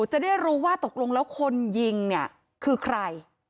จะได้รู้ว่าตกลงแล้วคนยิงเนี่ยคือใคร